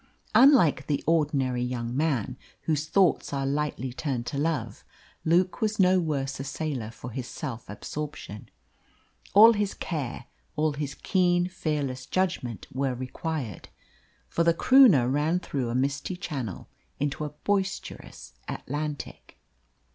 Unlike the ordinary young man, whose thoughts are lightly turned to love, Luke was no worse a sailor for his self absorption. All his care, all his keen, fearless judgment were required; for the Croonah ran through a misty channel into a boisterous Atlantic.